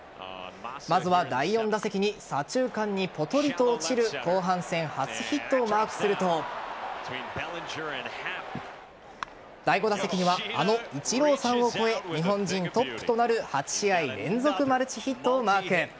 まずは第４打席に左中間にポトリと落ちる後半戦初ヒットをマークすると第５打席にはあのイチローさんを超え日本人トップとなる８試合連続マルチヒットをマーク。